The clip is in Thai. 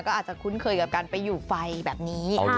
ก็อาจจะคุ้นเคยกับการไปอยู่ไฟแบบนี้